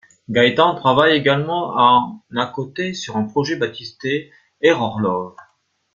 Gaëtan travaille également en à-côté sur un projet baptisé Errorlove.